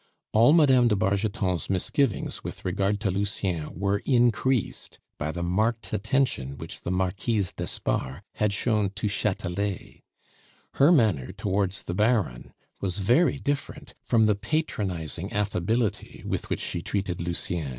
All Mme. de Bargeton's misgivings with regard to Lucien were increased by the marked attention which the Marquise d'Espard had shown to Chatelet; her manner towards the Baron was very different from the patronizing affability with which she treated Lucien.